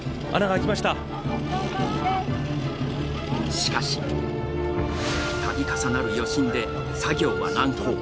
しかし、度重なる余震で作業は難航。